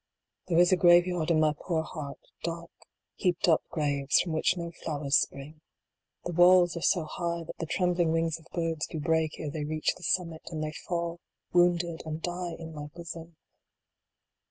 There is a graveyard in my poor heart dark, heaped up graves, from which no flowers spring. The walls are so high, that the trembling wings of birds do break ere they reach the summit, and they fall, wounded, and die in my bosom.